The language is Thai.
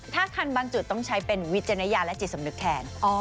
ถ้าคันบางจุดต้องใช้เป็นวิจารณญาณและจิตสำนึกแทน